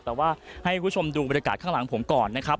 แต่ว่าให้คุณผู้ชมดูบรรยากาศข้างหลังผมก่อนนะครับ